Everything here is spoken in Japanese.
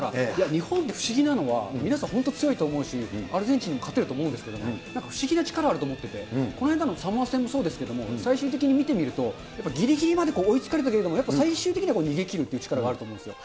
日本、不思議なのは、皆さん、本当に強いと思うし、アルゼンチンに勝てると思うんですけれども、なんか不思議な力あると思ってて、この間のサモア戦もそうですけれども、最終的に見てみると、ぎりぎりまで追いつかれたけれども、最終的には逃げきるという力があると思うんですよ。